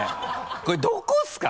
これどこですか？